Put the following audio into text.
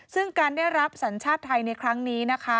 ซึ่งการได้รับสัญชาติไทยในครั้งนี้นะคะ